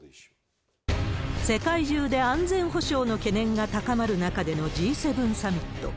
世界中で安全保障の懸念が高まる中でのＧ７サミット。